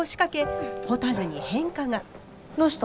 どうした？